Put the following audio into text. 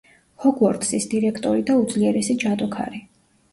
ჰოგვორტსის დირექტორი და უძლიერესი ჯადოქარი.